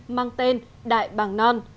mang tên đại bàng non